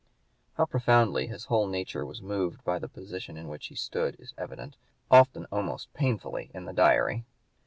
How profoundly his whole nature was moved by the position in which he stood is evident, often almost painfully, in the Diary.